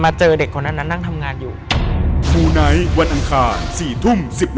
มาเจอเด็กคนนั้นนั่งทำงานอยู่